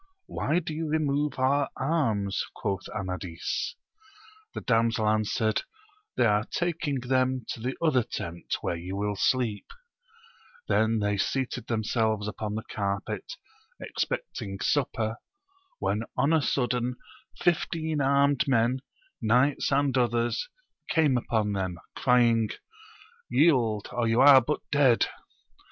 Why do you remove our arms 1 quoth Amadis. The damsel answered, They are taking them to the other teni where yon will sleep* Then. \3(\«s ^e».\ifc^ >(5cL«Bia^ VI— ^ 180 AMAJOIS OF GAUL. upon the carpet, expecting supper, when on a sudden fifteen armed men, knights and others, came upon them, crying, Yield or you aire but dead